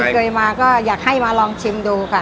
เคยมาก็อยากให้มาลองชิมดูค่ะ